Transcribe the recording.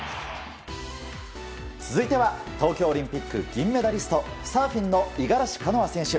続いては東京オリンピック銀メダリストサーフィンの五十嵐カノア選手。